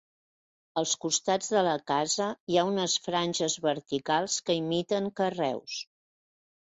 Als costats de la casa hi ha unes franges verticals que imiten carreus.